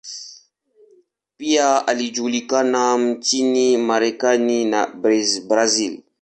Pia alijulikana nchini Marekani na Brazil.